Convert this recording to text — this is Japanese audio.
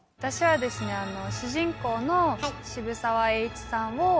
私はですね主人公の渋沢栄一さんを。